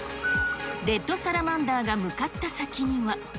レッドサラマンダーが向かった先には。